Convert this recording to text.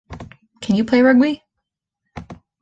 Can you play Rugby?